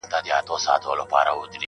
ځكه د كلي مشر ژوند د خواركي ورانوي.